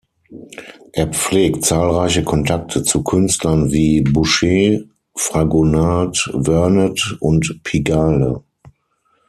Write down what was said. Er pflegt zahlreiche Kontakte zu Künstlern wie Boucher, Fragonard, Vernet, und Pigalle.